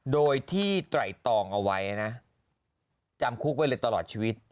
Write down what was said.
โดยที่ไตรตองเอาไว้นะจำคุกไว้เลยตลอดชีวิต